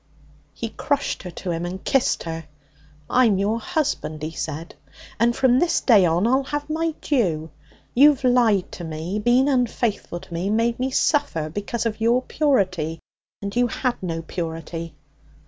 He crushed her to him and kissed her. 'I'm your husband,' he said, 'and from this day on I'll have my due. You've lied to me, been unfaithful to me, made me suffer because of your purity and you had no purity.